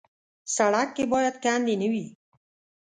سړک کې باید کندې نه وي.